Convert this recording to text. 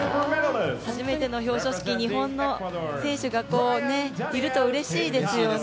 初めての表彰式、日本の選手がいるとうれしいですよね。